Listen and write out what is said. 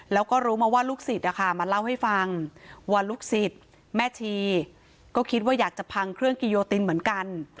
แล้วก็รู้มาว่าลูกศิษย์มาเล่าให้ฟังว่าลูกศิษย์แม่ชีก็คิดว่าอยากจะพังเครื่องกิโยตินเหมือนกัน